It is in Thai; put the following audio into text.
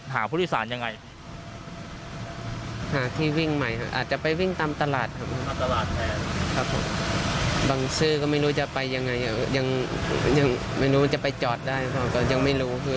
หาที่วิ่งใหม่ค่ะ